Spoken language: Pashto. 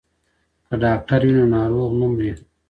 که ډاکټر وي نو ناروغ نه مري.